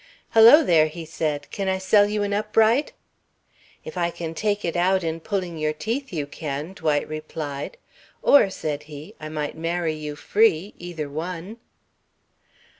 "Hello, there!" he said. "Can I sell you an upright?" "If I can take it out in pulling your teeth, you can," Dwight replied. "Or," said he, "I might marry you free, either one."